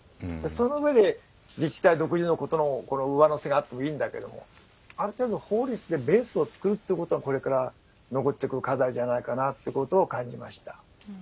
そのうえで、自治体独自の上乗せがあってもいいんだけどもある程度、法律でベースを作るということがこれから上ってくる課題じゃないかなと感じました。